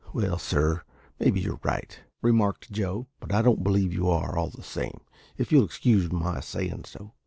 "Well, sir, maybe you're right," remarked Joe, "but I don't believe you are, all the same, if you'll excuse my sayin' so.